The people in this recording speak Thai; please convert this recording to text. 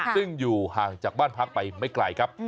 ซึ่งอยู่ห่างจากบ้านพักไปไม่ไกลครับ